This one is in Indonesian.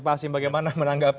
pak asyik bagaimana menanggapi